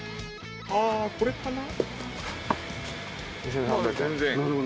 ああこれかな？